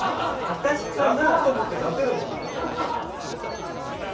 出そうと思って出せるんだ。